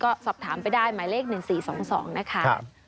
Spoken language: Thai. ก็สอบถามไปได้หมายเลข๑๔๒๒นะคะ